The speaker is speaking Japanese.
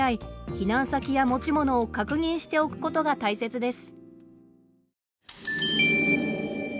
避難先や持ち物を確認しておくことが大切です。